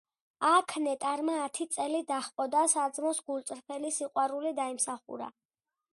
აქ ნეტარმა ათი წელი დაჰყო და საძმოს გულწრფელი სიყვარული დაიმსახურა.